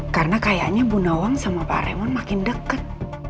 karena kayaknya bu nawang sama pak raymond makin deket